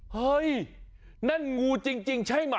เฮ้ยนั่นงูจริงใช่ไหม